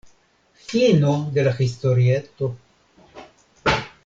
Fino de la historieto.